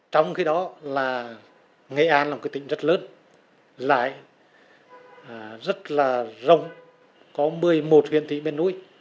trong khi đó là nghệ an là một cái tỉnh rất lớn lại rất là rộng có một mươi một huyện thị núi